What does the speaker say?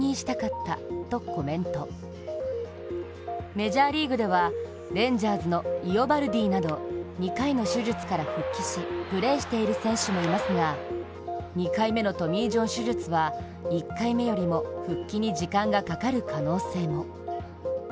メジャーリーグではレンジャーズのイオバルディなど２回の手術から復帰しプレーしている選手もいますが、２回目のトミー・ジョン手術は１回目よりも復帰に時間がかかる可能性も。